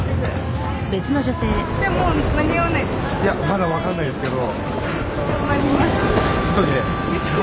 まだ分かんないですけど。